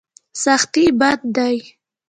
سختي بد دی.